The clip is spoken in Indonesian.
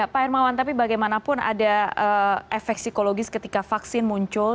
pak hermawan tapi bagaimanapun ada efek psikologis ketika vaksin muncul